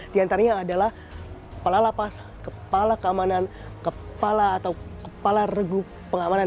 di antaranya adalah kepala lapas kepala keamanan kepala atau kepala regu pengamanan